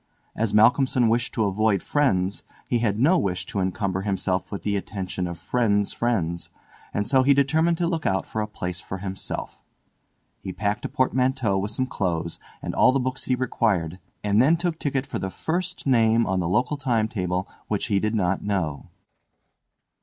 As Malcolmson wished to avoid friends he had no wish to encumber himself with the attention of friends' friends, and so he determined to look out for a place for himself. He packed a portmanteau with some clothes and all the books he required, and then took ticket for the first name on the local time table which he did not know.